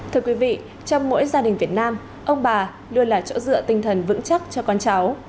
thưa quý vị trong mỗi gia đình việt nam ông bà luôn là chỗ dựa tinh thần vững chắc cho con cháu